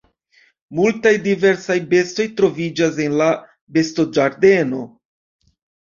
Multaj diversaj bestoj troviĝas en la bestoĝardeno.